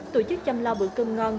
tổ chức chăm lao bữa cơm ngon